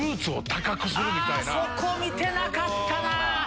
そこ見てなかったな！